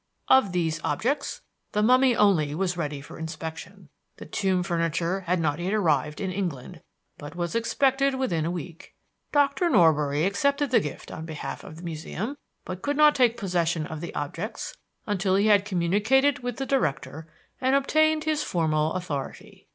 Of these objects, the mummy only was ready for inspection. The tomb furniture had not yet arrived in England, but was expected within a week. Doctor Norbury accepted the gift on behalf of the Museum, but could not take possession of the objects until he had communicated with the Director and obtained his formal authority.